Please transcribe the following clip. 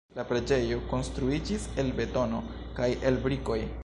La preĝejo konstruiĝis el betono kaj el brikoj.